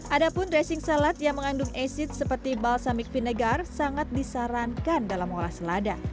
ada pun dressing salad yang mengandung acid seperti balsamic vinegar sangat disarankan dalam mengolah selada